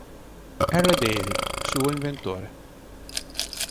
R. Daly, suo inventore.